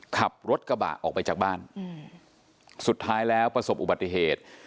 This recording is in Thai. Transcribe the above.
ขับรถกระบะออกไปจากบ้านสุดท้ายแล้วประสบอุบัติเหตุ